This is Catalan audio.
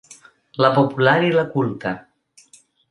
La popular i la culta.